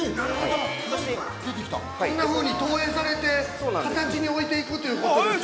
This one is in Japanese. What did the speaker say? そして、◆こういうふうに投影されて形に置いていくということですね。